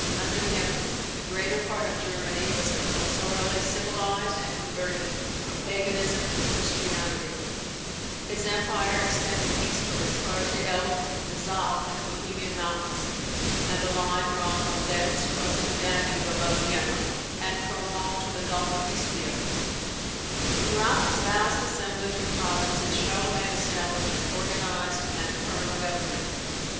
Under him the greater part of Germany was compulsorily civilized, and converted from Paganism to Christianity, His empire extended eastward as far as the Elbe, the Saal, the Bohemian mountains, and a line drawn from thence crossing the Danube above Vienna, and prolonged to the Gulf of Istria. [Hallam's Middle Ages.] Throughout this vast assemblage of provinces, Charlemagne established an organized and firm government.